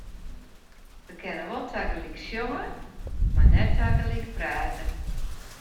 Wy kinne wol tagelyk sjonge, mar net tagelyk prate.